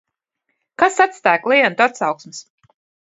Kas atstāj klientu atsauksmes?